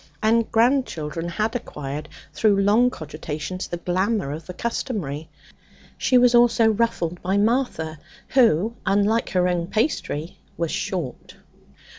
And grandchildren had acquired, through long cogitations, the glamour of the customary. She was also ruffled by Martha, who, unlike her own pastry, was 'short.'